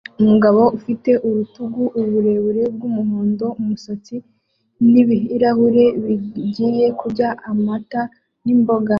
Umugabo ufite urutugu uburebure bwumuhondo-umusatsi n ibirahure bigiye kurya amata nimboga